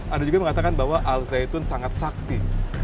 anda juga mengatakan bahwa al zaitun sangat sakti